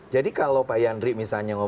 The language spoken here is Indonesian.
jadi kalau pak yandri misalnya ngomong